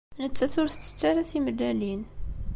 Nettat ur tettett ara timellalin.